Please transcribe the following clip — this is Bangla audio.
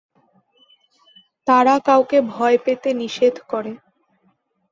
তারা কাউকে ভয় পেতে নিষেধ করে।